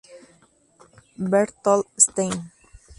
Berthold Stein